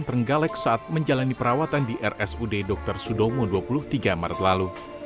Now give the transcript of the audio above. trenggalek saat menjalani perawatan di rsud dr sudomo dua puluh tiga maret lalu